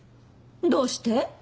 どうして？